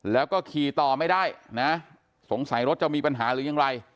แล้วก็ขี่ต่อไม่ได้นะสงสัยรถจะมีปัญหาหรือยังไร